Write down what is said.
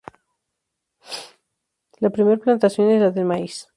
La principal plantación es la del maíz.